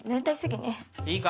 いいか？